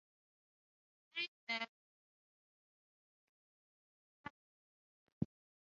Three Diaguita cemeteries were also discovered nearby.